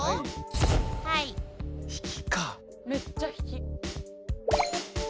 めっちゃ引き。